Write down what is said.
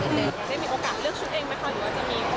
มีโอกาสเลือกชุดเองแค่ขอดูว่ามีเป็นใคร